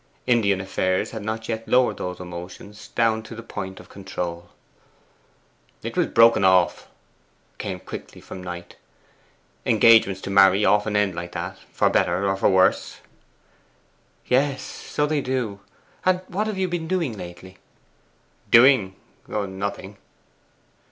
Indian affairs had not yet lowered those emotions down to the point of control. 'It was broken off,' came quickly from Knight. 'Engagements to marry often end like that for better or for worse.' 'Yes; so they do. And what have you been doing lately?' 'Doing? Nothing.